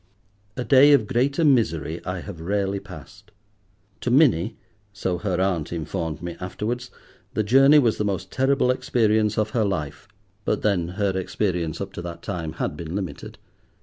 A day of greater misery I have rarely passed. To Minnie, so her aunt informed me afterwards, the journey was the most terrible experience of her life, but then her experience, up to that time, had been limited.